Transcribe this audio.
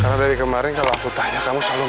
karena dari kemaren kalau aku tanya kamu selalu mielak